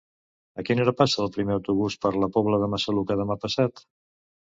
A quina hora passa el primer autobús per la Pobla de Massaluca demà passat?